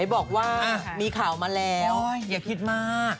บอกว่ามีข่าวมาแล้วอย่าคิดมาก